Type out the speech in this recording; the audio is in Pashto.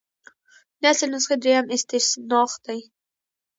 د اصل نسخې دریم استنساخ دی.